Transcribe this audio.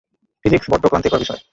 Physics বড্ড ক্লান্তিকর বিষয়।